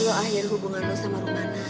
lo akhir hubungan lo sama rumah